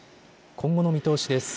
今後の見通しです。